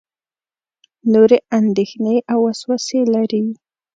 نورې اندېښنې او وسوسې لري.